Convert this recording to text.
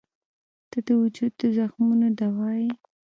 • ته د وجود د زخمونو دوا یې.